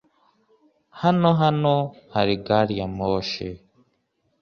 Hano hano hari gariyamoshi?